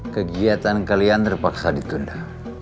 kegiatan kalian terpaksa ditunda